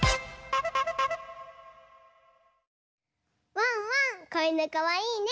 ワンワンこいぬかわいいね！